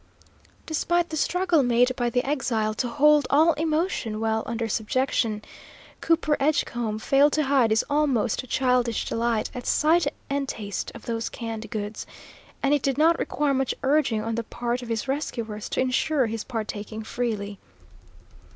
Despite the struggle made by the exile to hold all emotions well under subjection, Cooper Edgecombe failed to hide his almost childish delight at sight and taste of those canned goods, and it did not require much urging on the part of his rescuers to ensure his partaking freely.